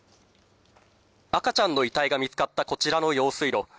赤ちゃんの遺体が見つかったこちらの用水路。